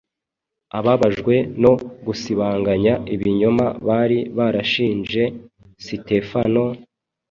Ababajwe no gusibanganya ibinyoma bari barashinje Sitefano,